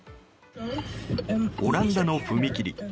オランダの踏切。